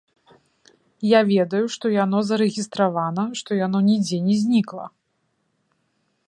Я ведаю, што яно зарэгістравана, што яно нідзе не знікла.